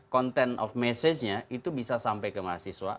content of message nya itu bisa sampai ke mahasiswa